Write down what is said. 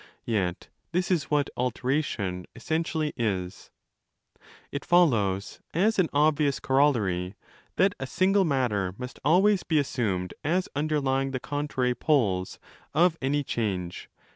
Yet this is what 'alteration' essentially is. It follows, as an obvious corollary, that a single matter must always be assumed as underlying the contrary ' poles' of any change—whether change of place, or growth and